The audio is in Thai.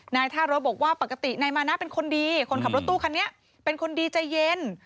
นายท่ารถบอกว่าปกตินายมานะเป็นคนดีคนขับรถตู้คันนี้เป็นคนดีใจเย็น